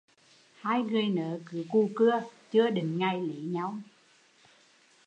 Hai người nớ cứ cù cưa, chưa định ngày lấy nhau